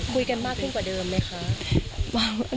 คุยกันมากขึ้นกว่าเดิมไหมคะ